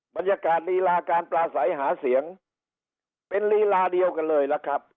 บรรยากาศลีลาการปลาใสหาเสียงเป็นลีลาเดียวกันเลยล่ะครับ